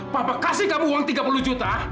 papa kasih kamu uang tiga puluh juta